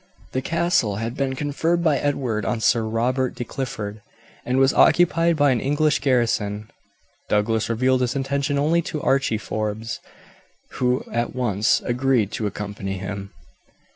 The castle had been conferred by Edward on Sir Robert de Clifford, and was occupied by an English garrison. Douglas revealed his intention only to Archie Forbes, who at once agreed to accompany him.